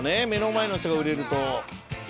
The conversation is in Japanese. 目の前の人が売れると。